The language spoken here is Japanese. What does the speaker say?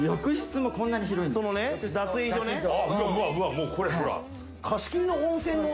もうこれほら！